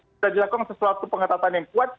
sudah dilakukan sesuatu pengetahuan yang kuat